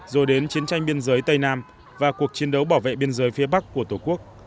rồi đến chiến tranh biên giới tây nam và cuộc chiến đấu bảo vệ biên giới phía bắc của tổ quốc